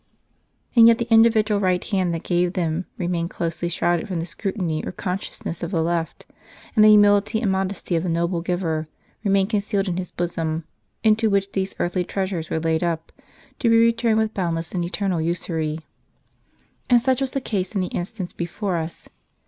And yet the individual right hand that gave them remained closely shrouded from the scrutiny or consciousness of the left ; and the humility and modesty of the noble giver remained con cealed in His bosom, into which these earthly treasures were laid up, to be returned with boundless and eternal usury. And such was the case in the instance before us.